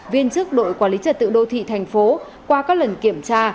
viên chức đội quản lý trật tự đô thị thành phố qua các lần kiểm tra